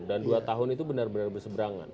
dan dua tahun itu benar benar berseberangan